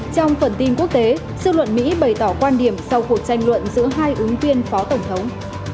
trong phần tin quốc tế sư luận mỹ bày tỏ quan điểm sau cuộc tranh luận giữa hai ứng viên phó tổng thống